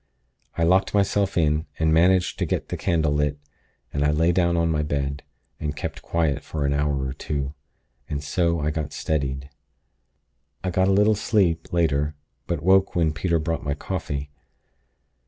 I locked myself in, and managed to get the candle lit; then I lay down on my bed, and kept quiet for an hour or two, and so I got steadied. "I got a little sleep, later; but woke when Peter brought my coffee.